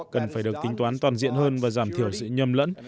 cần phải được tính toán toàn diện hơn và giảm thiểu sự nhầm lẫn